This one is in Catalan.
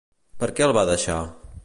Per què el va deixar?